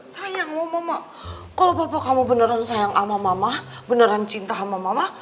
sayang loh mama kalau papa kamu beneran sayang sama mama beneran cinta sama mama